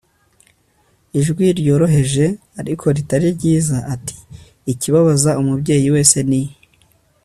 ijwi ryoroheje ariko ritari ryiza atiikibabaza umubyeyi wese ni